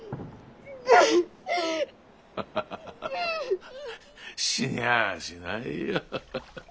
ハハハハ死にやしないよ。